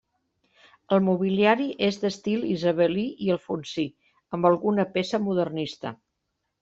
El mobiliari és d'estil isabelí i alfonsí, amb alguna peça modernista.